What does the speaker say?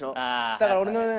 だから俺もね